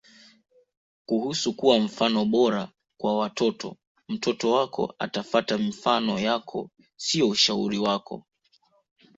Kuhusu kuwa mfano bora kwa watoto Mtoto wako atafata mifano yako sio ushauri wako